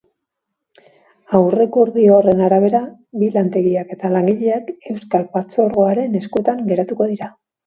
Aurrekordio horren arabera, bi lantegiak eta langileak euskal partzuergoaren eskuetan geratuko dira.